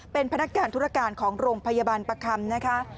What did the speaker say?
เป็นพนักงานธุรการของโรงพยาบาลประคำนะคะ